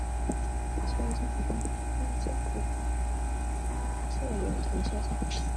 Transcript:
车站两股正线轨道中央设有存车线。